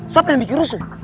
siapa yang bikin rusuh